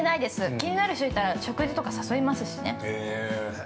気になる人とかいたら食事とか誘いますしね。